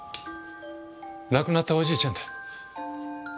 亡くなったおじいちゃんだ。